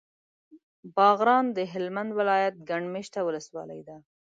باغران د هلمند ولایت ګڼ مېشته ولسوالي ده.